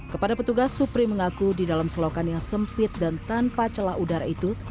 kepada petugas supri mengaku di dalam selokan yang sempit dan tanpa celah udara itu